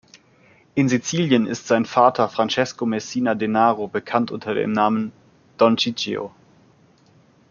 In Sizilien ist sein Vater Francesco Messina Denaro bekannt unter dem Namen "Don Ciccio".